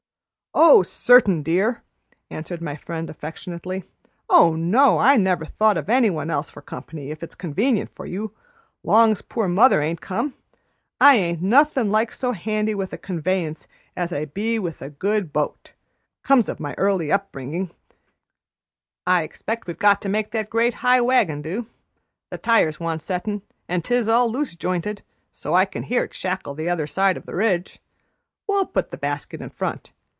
"Oh certain, dear!" answered my friend affectionately. "Oh no, I never thought o' any one else for comp'ny, if it's convenient for you, long's poor mother ain't come. I ain't nothin' like so handy with a conveyance as I be with a good bo't. Comes o' my early bringing up. I expect we've got to make that great high wagon do. The tires want settin' and 'tis all loose jointed, so I can hear it shackle the other side o' the ridge. We'll put the basket in front.